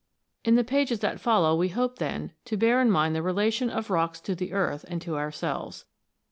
In the pages that follow we hope, then, to bear in mind the relations of rocks to the earth and to our selves.